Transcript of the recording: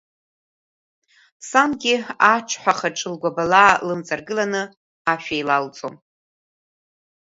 Сангьы аҽҳәа ахаҿы лгәаблаа лымҵаргыланы ашә еилалҵон.